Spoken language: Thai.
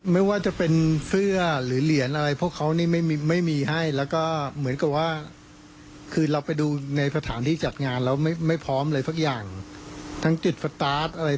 ไม่ว่าจะเป็นเสื้อหรือเหรียญอะไรเพราะเขานี่ไม่มีให้